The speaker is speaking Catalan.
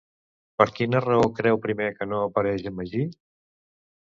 Per quina raó creu primer que no apareix en Magí?